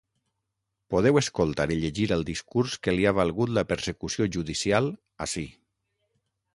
Podeu escoltar i llegir el discurs que li ha valgut la persecució judicial ací.